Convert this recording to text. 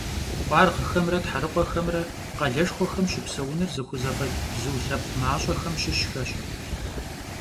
Khuarğxemre therıkhuexemre khaleşşxuexem şıpseunır zıxuzef'eç' bzu lhepkh maş'exem şışxeş.